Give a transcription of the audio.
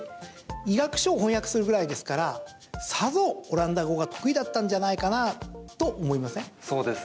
医学書を翻訳するぐらいですからさぞ、オランダ語が得意だったんじゃないかなと思いません？